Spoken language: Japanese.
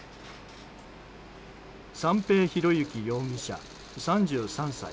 三瓶博幸容疑者、３３歳。